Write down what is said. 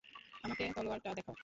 আমাকে তলোয়ারটা দেখাও।